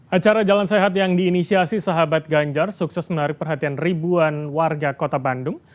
acara jalan sehat yang diinisiasi sahabat ganjar sukses menarik perhatian ribuan warga kota bandung